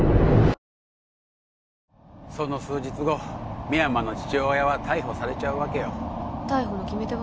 その数日後深山の父親は逮捕されちゃうわけよ逮捕の決め手は？